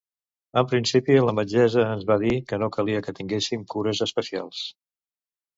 En principi, la metgessa ens va dir que calia que tinguéssim cures especials.